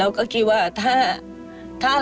ลูกขาดแม่